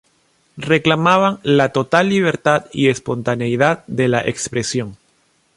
Reclamaban la total libertad y espontaneidad de la expresión.